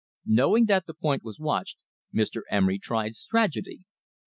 Knowing that the point was watched, Mr. Emery tried strategy.